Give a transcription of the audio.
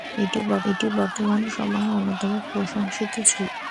এটি বর্তমান সময়ের অন্যতম প্রশংসিত ছবি।